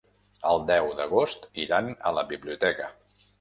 El deu d'agost iran a la biblioteca.